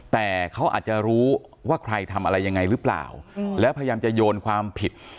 แต่เขาอาจจะรู้ว่าใครทำอะไรยังไงหรือเปล่าแล้วพยายามจะโยนความผิด